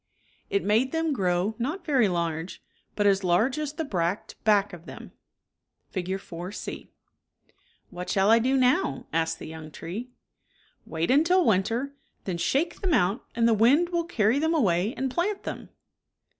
It made them grow, not very large, but as large as the bract back of them (Fig. 4, c). 52 " What shall I do now ?" asked the young tree. " Wait until winter, then shake them out and the wind will carry them away and plant ;A, them."